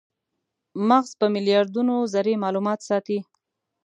مغز په میلیاردونو ذرې مالومات ساتي.